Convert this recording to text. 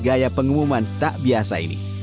gaya pengumuman tak biasa ini